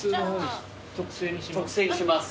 特製にします。